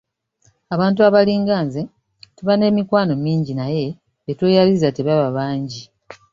Abantu abalinga nze tuba n'emikwano mingi naye betweyabiza tebaba bangi.